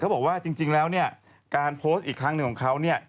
บอกว่าจริงแล้วเนี่ยการโพสต์อีกครั้งหนึ่งของเขาเนี่ย